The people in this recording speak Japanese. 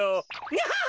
ニャハハ。